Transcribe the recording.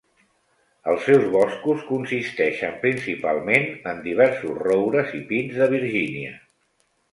Els seus boscos consisteixen principalment en diversos roures i pins de Virgínia.